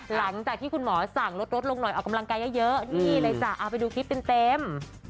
หลังจากที่คุณหมอสั่งลดลงหน่อยออกกำลังกายเยอะนี่เลยจ้ะเอาไปดูคลิปเต็ม